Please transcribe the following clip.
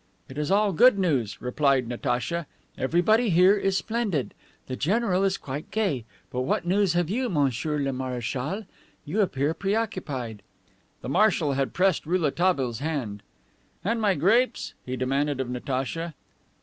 "It is all good news," replied Natacha. "Everybody here is splendid. The general is quite gay. But what news have you, monsieur le marechal? You appear preoccupied." The marshal had pressed Rouletabille's hand. "And my grapes?" he demanded of Natacha.